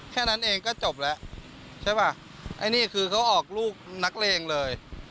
แค่นั้นเองก็จบแล้วใช่ป่ะไอ้นี่คือเขาออกลูกนักเลงเลย